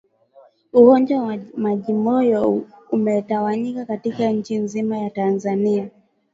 Ugonjwa wa majimoyo umetawanyika katika nchi nzima ya Tanzania